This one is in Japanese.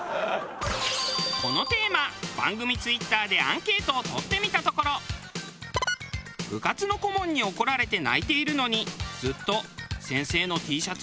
このテーマ番組Ｔｗｉｔｔｅｒでアンケートを取ってみたところ「部活の顧問に怒られて泣いているのにずっと先生のＴシャツ